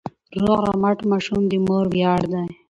روغ رمټ ماشوم د مور ویاړ دی.